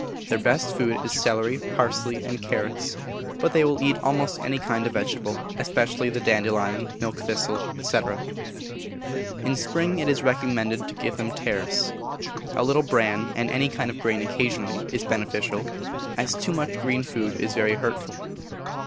Their best food is celery, parsley, and carrots; but they will eat almost any kind of vegetable, especially the dandelion, milk thistle, &c. In spring it is recommended to give them tares. A little bran, and any kind of grain occasionally is beneficial, as too much green food is very hurtful.